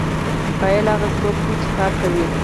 فاعل هغه څوک دی چې کار کوي.